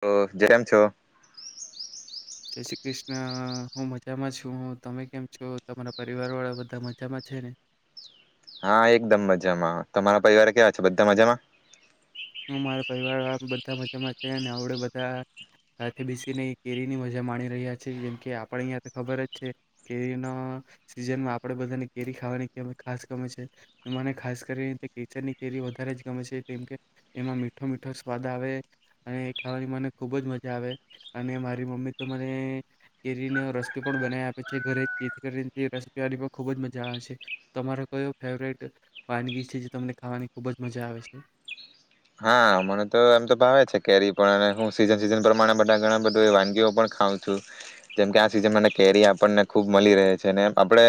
તો જે કેમ છો જય શ્રી કૃષ્ણ હું મજામાં છું તમે કેમ છો તમારા પરિવાર વાળા બધા મજામાં છે ને? હા એકદમ મજામાં તમારા પરિવાર કેવા છે બધા મજામાં? મારા પરિવાર બધા મજામાં છેને અવડે બધા સાથે બેસીને કેરીની મજા માણી રહ્યા છે જેમ કે આપણે અહં ખબર જ છે કેરીના સીઝનમાં આપણે બધાની કેરી ખાવાની ક ખાસ ગમે છે મને ખાસ કરીને કેસરની કેરી વધારે જ ગમે છે કેમ કે એમાં મીઠો મીઠો સ્વાદ આવે અને ખાવાની મને ખૂબ જ મજા આવે અને મારી મમ્મી તો મને કેરીને રસ પણ બનાવી આપે છે ઘરે ચી કરીને રસ પીવાની પણ ખૂબ જ મજા આવે છે તમારો કયો ફેવરેટ વાનગી છે જે તમને ખાવાની ખૂબ જ મજા આવે છે હા મને તો એમ તો ભાવે છે કેરી પણ અને હું સીઝન સિઝન પ્રમાણે બધા ઘણા બધા વાનગીઓ પણ ખાવં છું જેમ કે આ સિઝન કેરી આપણને ખૂબ મળી રહે છે ને આપણે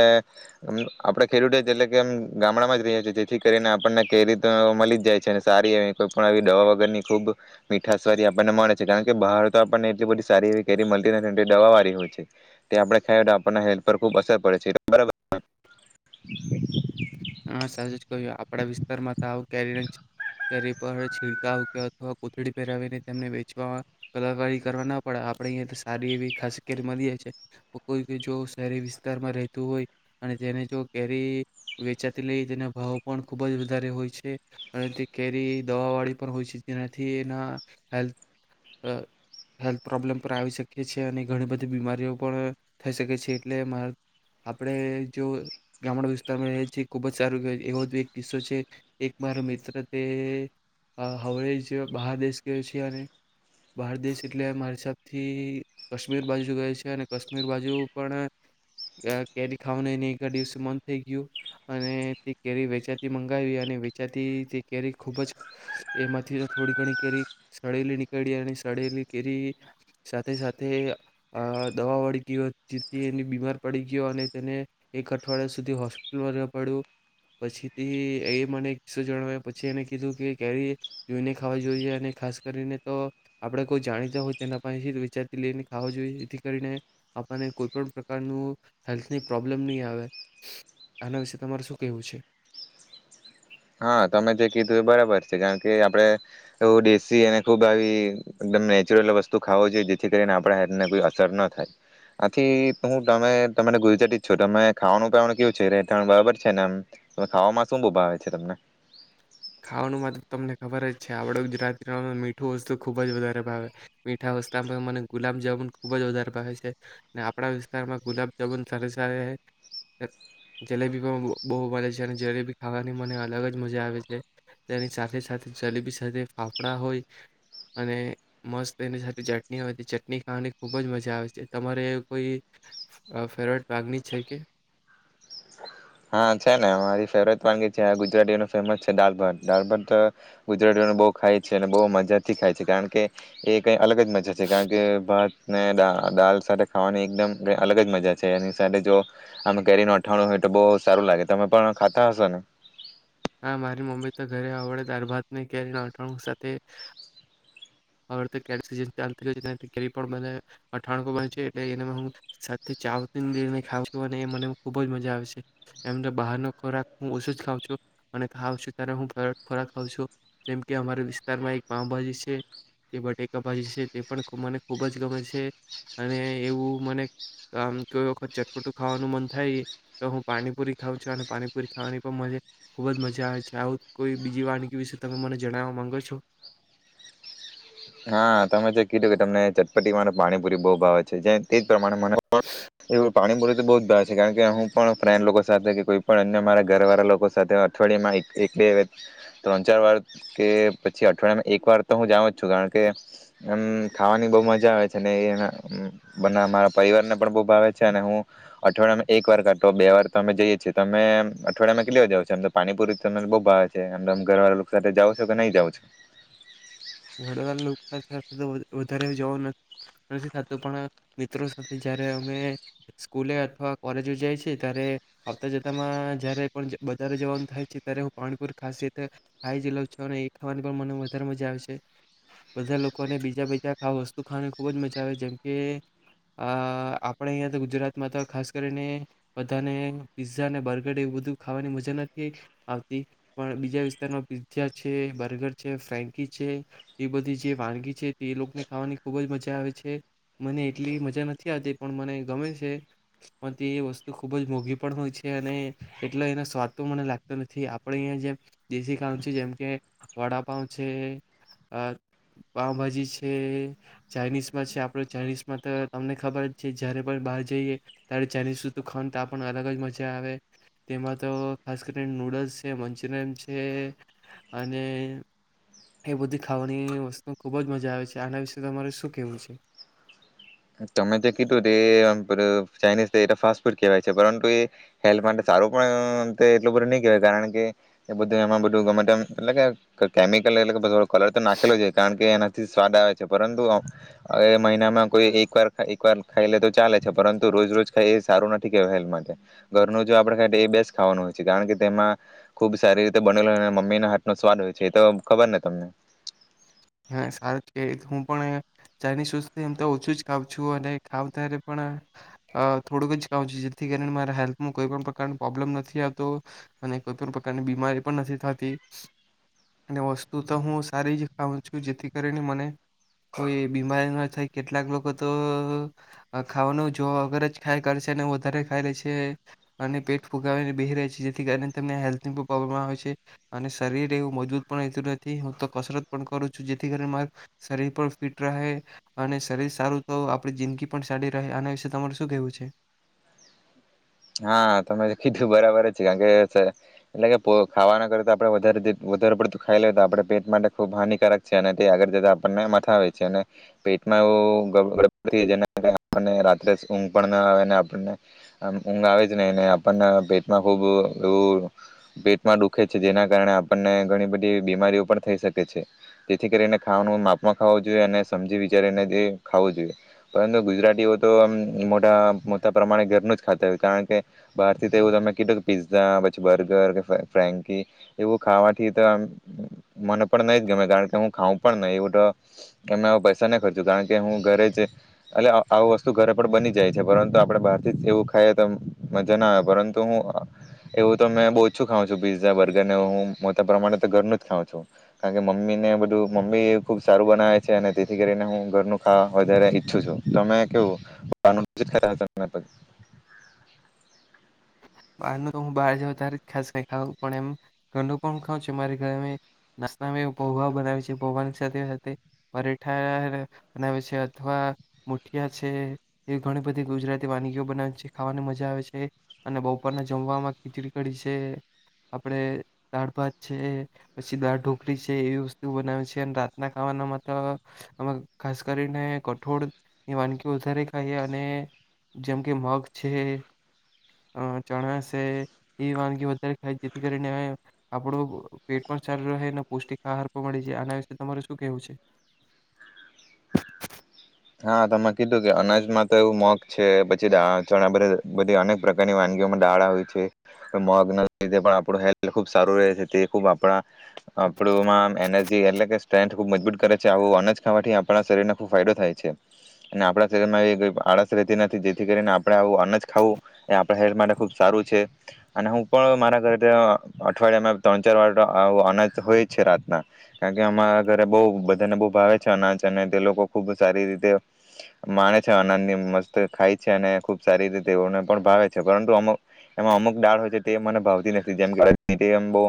આપણે ખેડૂતો એટલે કેમ ગામડામાં જ રહીએ છએ જેથી કરીને આપણને કેરી તો મળી જ જાય છે ને સારી એવી કોઈ પણ આવી દવા વગરની ખૂબ મીઠા સવારી આપણને મળે છે કારણ કે બહાર તો આપણને એટલી બધી સારી એ કે મને દવા વાળી હોય છે તે આપણે ખાઈ તો આપણ હેલ્થ પર ખૂબ અસર પડે છે બ હા સાચું જ કહ્યુ આપડા વિસ્તારમાં તો આવ કેરી કેરી પર છીડકાવ કે અથવા કોથળી પહેરાવીને તેમને વેચવામાં કલાકારી કરવા ના પડે આપણેે અહીયા સારી એવી ખાસ કેરી મળીએ છે કોઈ જો શહેરી વિસ્તારમાં રહેતું હોય અને તેને જો કેરી વચા તેટલે તેના ભાવ પણ ખૂબ જ વધારે હોય છે અને તે કેરી દવાવાળી પણ હોય છે જેનાથી એના હેલ્થ હેલ્થ પ્રોબ્લેમ પણ આવી શકીએ છીએ અને ઘણી બધી બીમારીઓ પણ થઈ શકે છે એટલે મા આપણે જો ગામડા વિસ્તારમાં રએ છએ ખુબ જ સાર એવો એક કિસ્સો છે એક મારો મિત્ર તે હવેળ બહાર દેશ ગયો છે અને બહાર દેશ એટલે મારી હિસાબથી કાશ્મીર બાજુ ગયો છે અને કાશ્મીર બાજુ પણ કેરી ખાવા ને એક દિવસે મન થઈ ગયું અને તે કેરી વેચાતી મંગાવી અને વેચાતી તે કેરી ખૂબ જ એમાંથી થોડી ઘણી કેરી સળેલી નીકળી અને સળેલી કેરી સાથે સાથે દવા વળી ગયો જેથી એની બીમાર પડી ગયો અને તેને એક અઠવાડિયા સુધી હોસ્પિટલમાં પડ પછીથી એ મને કિસ્સો જણાવય પછી એને કીધું કે કે્યારે જોઈને ખાવા જોઈએ અને ખાસ કરીને તો આપણે કોઈ જાણીતા હોય તેના પાસે વિચારતી લઈને ખાવા જોઈએ જેથી કરીને આપણને કોઈ પણ પ્રકારનું હેલ્થની પ્રોબ્લેમ નહીં આવે આના વિ તમાર શું કેવું છે? હા તમે જે કીધું એ બરાબર છે કારણ કે આપણેે એવ દેશી અને ખુબ આવી એકદમ નેચરલ વસ્તુ ખાવો જોઈએ જેથી કરીને આપણા હેલ્થને કોઈ અસર ન થાય આથી હું તમે તને ગુજરાતી જ છો તમે ખાવાનું પનું કેવું છે રહેતાા બરાબર છે ને એમ ખાવામાં શું બુ ભાવે છે છે તમને ખાવાનું મા તો તમને ખબર જ છે આપણા ગુજરાતીમાં મીઠું વસ્તુ ખૂબ જ વધારે ભાવે મીઠા વસ્તામાં મને ગુલાબજામુન ખૂબ જ વધારે ભાવે છે અનેને આપણા વિસ્તારમાં ગુલાબજામુન સર સ જલેબી પણ બહુ મળે છે અને જલેબી ખાવાની મને અલગ જ મજા આવે છે તેની સાથે સાથે જલેબી સાથે ફાફડા હોય અને મસ્ત એની સાથે ચટણી હોય તે ચટણી ખાવાની ખુબ જ મજા આવે છે તમારે કોઈ ફેવરેટ વાનગી છે કે હા છે ને મારી ફેવરેટ વાનગી છે આ ગુજરાતીઓનો ફેમસ છે દાાલ ભત દળ ભાત ગુજરાતીઓને બહુ ખાય છે અને બહ મજા થી ખાય છે કારણ કે એ કઈ અલગ જ મજા છે કારણ કે ભાત ને દાલ સાથે ખાવાની એકદમ ક અલગ જ મજા છે એની સાથે જો આ કેરી ન અઠાણું હોય તો બહ સારું લાગે તમે પણ ખાતા હશો ને હા મારી મમ્મી તો ઘરે આવડે દાળ ભાતને કેરીના અથાણું સાથે આ વખતે છે કેરીની [inaudible] કેરી પણ બધાએ [inaudible] મને ખુબ જ મજા આવે છે એમને બહારનો ખોરા હ ઓછો જ ખાવં છું અને ખાવ છું ત હું ખોરાક ખ છું જેમ કે અમારા વિસ્તારમાં એક પાઉભાજી છે જે બટેકા ભાજી છે તે પણ મને ખુબ જ ગમે છે અને એવું મને આમ તો કોઈ વખત ચટપટું ખાવાનું મન થાય તો હું પાણીપુરી ખાં છું અને પાણીપુરી ખાવાની પણ મ ખૂબ જ મજા આવે છે આવું કોઈ બીજી વાનગી વિશે તમે મને જણાવવા માંગો છો હા તમે જે કીધું કે તમને ચટપટીમાં પાણીપુરી બહુ ભાવે છે તે તો મને મને પણ એવું પાણીપુરી બહુ જ ભાવે છે કારણ કે હું પણ ફ્રેન્ડ લોકો સાથે કે કોઈ પણ અન્ય મારા ઘર વાળા લોકો સાથે અઠવાડિયામાં એક બે ત્રણ ચાર વાર કે પછી અઠવાડિયામાં એક વાર તો હું જાઉ જ છું કારણ કે કે એમ ખાવાની બહ મજા આવે છે અને એ એના બ મારા પરિવારને પણ બહુ ભાવે છે અને હું અઠવાડિયામાં એક વાર કરતો બે વાર તો અમે જઈએ છીએ તમે અઠવાડિયામાં કેટલી જાાવ છ એમ તો પાણીપુરી ત બહુ ભાવે છે એમ તો ઘરવાળા લોકો સાથે જાાવ છો કે નહીં જાાવ ઘણીવાર લોકો સાથે વધારે જવાનું ન થી થતું પણ મિત્રો સાથે જયારે અમે સ્કૂલે અથવા કોલેજો જાય છે ત્યારે આવતા જતા માં જ્યારે પણ વધારે જવાનું થાય છે ત્યારે હું પાણીપુરિ ખાસિયત ખાઈ જ લઉં છું અને એ ખાવાની પણ મને વધારે મજા આવે છે. બધા લોકોને બીજા બીજા વસ્તુ ખાવાની ખુબ જ મજા આવે જેમ કે આ આપણે અહં તો ગુજરાતમાં તો ખાસ કરીને બધાને પીઝઝા અનેને બર્ગર એવું બધું ખાવાની મજા નથી આવતી પણ બીજા વિસ્તારમાં પીઝા છે બર્ગર છે ફ્રેન્કી છે એ બધી જે વાનગી છે તે એ લોકોને ખાવાની ખૂબ જ મજા આવે છે મને એટલી મજા નથી આવતી પણ મને ગમે છે પણ તે વસ્તુ ખુબ જ મોંઘી પણ હોય છે અને એટલા એનો સ્વાદ તો મને લાગતો નથી આપણે અહીંયા જેમ દેશી ખાંડ ન છે જેમ કે વડાપાવ છે અ પાઉભાજી છે ચાઇનીઝમાં છે આપણે ચાઇનીઝમાં તો તમને ખબર જ છે જયારે પણ બહાર જઈએ ત્યારે ચાઇનીઝ તુ ખાનું તો આપણ અલગ જ મજા આવે તેમાં તો ખાસ કરીને નૂડલ્સ છે મંચુરિયન છે અને એ બધી ખાવાની વસ્તુ ખુબ જ મજા આવે છે આના વિશે તમારે શું કેવું છે તમે જે કીધું એ ચાઇનીઝ એ ફાસ્ટ ફૂડ કેહેવાય છે પરંતુ એ હેલ્થ માટે સારું પણ એટલું બધું ની કેહેવાય કારણ કે એ બધું એમાં બધું ગમેતેમ એટલે કે કેમિકલ એટલે કલર તો નાખેલો છે કારણ કે એના થી સ્વાદ આવે છે પરંતુ અવે મહિનામાં કોઈ એક એક વાર એકવાર ખાઈ લે તો ચાલે છે પરંતુ રોજ રોજ ખાય એ સારું નથી કેવા હેલ્થ માટે ઘરનું જો આપડે ખાય એ બેસ્ટ ખાવાનું હોય છે કારણ કે તેમાં ખુબ સારી રીતે બને મમ્મીના હાથ નો સ્વાદ હોય છે એ તો ખબર ને તમને. હ સાર હું પણ ચાઇનીઝ વસ્તુ એમ તો ઓછું જ ખાવં છું અને ખાવ ત્યારે પણ થોડુંક જ ખાઉં છું જેથી કરીને મારા હેલ્થમાં કોઈ પણ પ્રકારનો પ્રોબ્લેમ નથી આવતો અને કોઈ પણ પ્રકારની બીમારી પણ નથી થતી અને વસ્તુ તો હું સારી જ ખા ઉં છું જેથી કરીને મને કોઈ બીમારી ન થાય કેટલાક લોકો તો ખાવાનું જોવા વગર જ ખાય કરશે અને વધારે ખાઈ લે છે અને પેટ ફુગાવીને બેહી રહે છે જેથી કરીને તેમને હેલ્થની પણ પ્રોબ્લેમ આવે છે અને શરીર એવું મજબૂત પણ રહેતું નથી હું તો કસરત પણ કરું છું જેથી કરી મારું શરીર પણ ફિટ રહે અને શરીર સારું તો આપણી જિંદગી પણ સારી રહે આના વિશે તમારે શું કેવું છે. હા તમે કીધું બરાબર જ છે કારણ કે એટલે કે પ ખાવાના કરેતા આપણે વધારે વધારે પડતું ખાઈ લેએ તો આપણે પેટ માટે ખૂબ હાનિકારક છે અને તે આગળ જતા આપણને મથાવે છે અને પેટમાં એવુંને [unintelligible] રાત્રે ઊંઘ પણ ના આવેને આપણને ઊંઘ આવે જ નહીંને આપણને પેટમાં ખૂબ એવું પેટમાં દુખે છે જેના કારણે આપણને ઘણી બધી બીમારીઓ પણ થઈ શકે છે જેથી કરીને ખાવાનું માપમાં ખાવું જોઈએ અને સમજી વિચારીને તે ખાવું જોઈએ પરંતુ ગુજરાતીઓ તો આમ મોટા મોટા પ્રમાણે ઘરનું જ ખાતા હોય કારણ કે બહાર થી તો એવું તમે કીધું કે પિઝ્ઝા પછી બર્ગર કે ફ્રેન્કી એવું ખાવાથી તો મને પણ નહી જ ગમે કારણ કે હું ખાઉં પણ નહી એવું તો અમે પૈસા નહી ખર્ચું કારણ કે હું ઘરે જ એટલે આવ વસ્તુ ઘરે પર બની જાય છે પરંતુ આપડે બહાર થી એવું ખાઈ તો મજા ના આવે પરંતુ હું એવું તો બો ઓછું ખાઉં છું પીઝા બર્ગર ને હું મોટા પ્રમાણે તો ઘરનું જ ખાઉં છું કારણ કે મમ્મી ને બધું મમ્મી ખુબ સારું બનાવે છે અને તેથી કરીને હું ઘરનું ખાવા વધારે ઈચ્છું છું તમે કેવું બહાર નું. [unintelligible] બારનું હું બહાર જાઉં ત્યારે ખાસ કઈ ખાઉં પણ એમ ઘરનું પણ ખાઉં છું મારે ઘરે નાસ્તામાં પૌવા બનાવે છે પૌવાની સાથે સાથે પરેઠા બનાવે છે અથવા મુઠિયા છે એ ઘણી બધી ગુજરાતી વાનગીઓ બનાવે છે ખાવાની મજા આવે છે. અને બપોરના જમવામાં ખીચડી કડી છે આપણે દાળ ભાત છે પછી દાળ ઢોકળી છે એવી વસ્તુ બનાવી છે અને રાતના ખાવાનામાં તો અમે ખાસ કરીને કઠોળની વાનગીઓ વધારે ખાઈએ અને જેમ કે મગ છે અ ચણાસે એ વાનગી વધારે ખાય જેથી કરીને આપડુ પેટ પણ સારુ રહે અને પૌષ્ટિક આહાર પણ મળે છે આના વિશે તમારે શું કેવું છે. હા તમે કીધું કે અનાજમાં તો એવું મગ છે પછી દાણા ચણા બધી અનેક પ્રકારની વાનગીઓમાં ડાળ આવે છે મગ ના લીધે પણ આપણું હેલ્થ ખુબ સારું રહે છે તે ખૂબ આપણા આપડુ માં એનર્જી એટલે કે સ્ટ્રેન્થ ખૂબ મજબૂત કરે છે આવું અનાજ ખાવાથી આપણા શરીરને ખુબ ફાયદો થાય છે. અને આપણા શરીરમાં એ આળસ રહેતી નથી જેથી કરીને આપણે આવું અનાજ ખાવું એ આપણા હેલ્થ માટે ખુબ સારું છે અને હું પણ મારા ઘરે અઠવાડિયામાં ત્રણ ચાર વાર અનાજ તો હોય જ છે રાતના કારણ કે અમાર ઘરે બઉ બધાને ભાવે છે અનાજ અને તે લોકો ખુબ સારી રીતે માણે છે આનંદ થી મસ્ત ખાય છે અને ખુબ સારી રીતે તેઓને પણ ભાવે છે પરંતુ અમુક એમાં અમુક દાળ હોય છે તે મને ભાવતી નથી જેમ કે [unintelligible] બઉ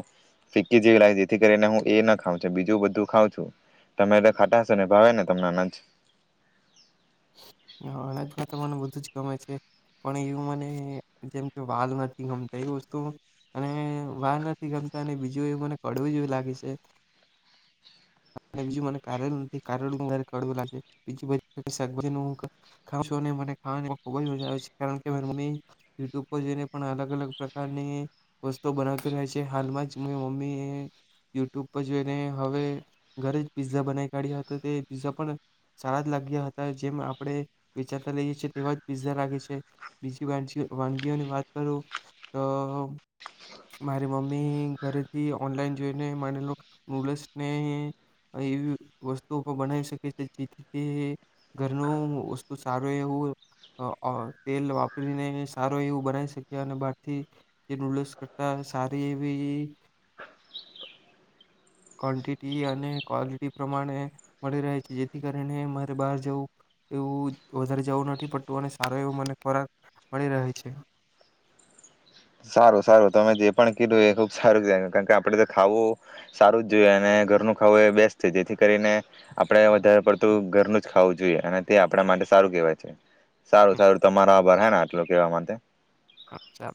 ફીકી જેવી લાગે છે જેથી કરીને હું એ ના ખાવં છ બીજું બધું ખાઉં છું તમે ખાતા હશે ને ભાવે ને તમને અનાજ. અનાજમાં તો મને બધું જ ગમે છે પણ એવું મને જેમ કે વાલ નથી ગમતા એ વસ્તુ અને વાલ નથી ગમતા અને બીજું એવું મને કડવું જેવી લાગે છે અને બીજું મને કાર નથી કારેલુ વધારે કડવું લાગે છે બીજુ શાકભાજી હું ખાવ છું મને ખાવાની ખુબ જ મજા આવે છે કારણ કે મમ્મી યુટ્યુબ પર જોઈને પણ અલગ અલગ પ્રકારની વસ્તુ બનાવતી રહે છે હાલમાં જ માં મમ્મી એ યુટ્યુબ પર જોઈને હવે ઘરે જ પીઝા બનાવી કાઢ્યા હતા તે પીઝા પણ સારા જ લાગ્યા જેમ આપણે વેચાતા લઈએ છે તેવા જ પીઝા લાગે છે બીજી [unintelligible] વાનગીઓની વાત કરું તો મારી મમ્મી ઘરેથી ઓનલાઈન જોઈને માનેલો નૂડલ્સ ને એવી વસ્તુ પણ બનાવી શકે છે જેથી ઘરનું વસ્તુ સારું એવું અ અ તેલ વાપરીને સારું એવું બનાવી શક્યા અને બારથી નૂડલ્સ કરતા સારી એવી ક્વન્ટિટી અને ક્વોલિટી પ્રમાણે મળી રહે છે જેથી કરીને મારે બહાર જવું એવું વધારે જવું નથી પડતું અને સારો એવો મને ખોરાક મળી રહે છે. સારું સારું તમે જે પણ કીધું એ ખુબ સારું કારણ કે આપડે તો ખાવું સારું જ જોઈએ અને ઘરનું ખાવું એ બેસ્ટ છે જેથી કરીને આપડે વધારે પડતું ઘરનું જ ખાવું જોઈએ અને તે આપણા માટે સારું કેહેવાય છે. સારું હમ, સારું તમારા [unintelligible] ને આટલૂ કહેવા માટે. અચ્છા.